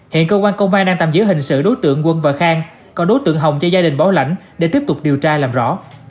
hiện cơ quan công an đang tạm giữ hình sự đối tượng quân và khang còn đối tượng hồng cho gia đình bảo lãnh để tiếp tục điều tra làm rõ